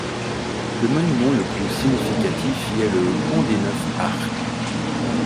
Le monument le plus significatif y est le Pont des neuf arcs.